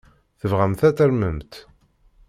Tebɣamt ad tarmemt?